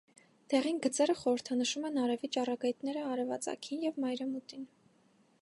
Դեղին գծերը խորհրդանշում են արևի ճառագայթները արևածագին և մայրամուտին։